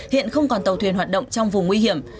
hiện không còn tàu thuyền hoạt động trong vùng nguy hiểm